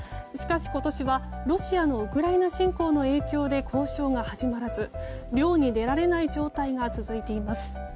しかし今年はロシアのウクライナ侵攻の影響で交渉が始まらず漁に出られない状態が続いています。